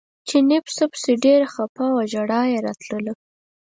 چیني پسه پسې ډېر خپه و ژړا یې راتله.